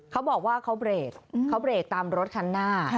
เขาบอกว่าเขาเบลโกรธเบลไปตามรถชั้นหน้า